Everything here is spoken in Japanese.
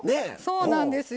そうなんですよ。